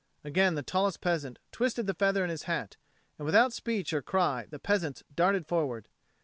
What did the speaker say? Again the tallest peasant twisted the feather in his hat; and without speech or cry the peasants darted forward.